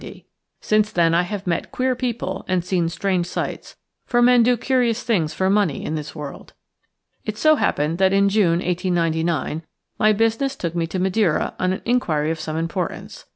Since then I have met queer people and seen strange sights, for men do curious things for money in this world. It so happened that in June, 1899, my business took me to Madeira on an inquiry of some importance.